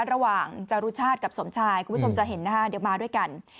ระหว่างจารุชาติกับสมชายคุณผู้ชมจะเห็นนะคะเดี๋ยวมาด้วยกัน